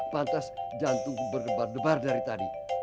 pantas jantung berdebar debar dari tadi